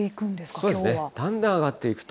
そうですね、だんだん上がっていくと。